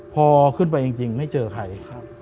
พอขึ้นไปจริงไม่เจอใคร